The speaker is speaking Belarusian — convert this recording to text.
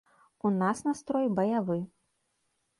У нас настрой баявы.